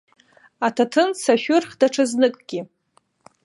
Аҭаҭын сашәырх даҽазныкгьы.